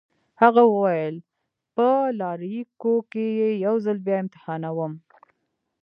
هغه وویل: په لایریکو کي يې یو ځل بیا امتحانوم.